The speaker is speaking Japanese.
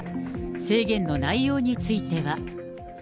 制限の内容については。